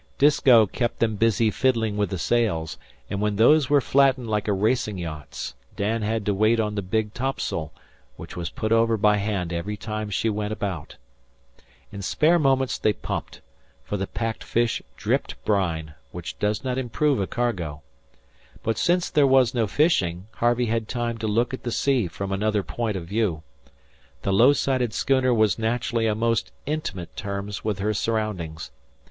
Disko kept them busy fiddling with the sails; and when those were flattened like a racing yacht's, Dan had to wait on the big topsail, which was put over by hand every time she went about. In spare moments they pumped, for the packed fish dripped brine, which does not improve a cargo. But since there was no fishing, Harvey had time to look at the sea from another point of view. The low sided schooner was naturally on most intimate terms with her surroundings.